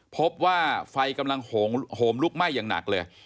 พบว่าไฟกำลังโหมลุกไหม้อย่างหนักเลย